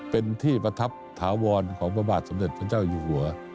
เป็นที่ประทับถาวรของพระบาทสมเด็จพระเจ้าอยู่หัว